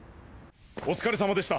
おつかれさまでした。